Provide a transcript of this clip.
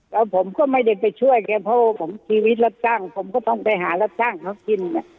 แล้วผมก็ไม่ได้ไปช่วยแกเพราะว่าผมชีวิตรับจ้างผมก็ต้องไปหารับจ้างเขากิน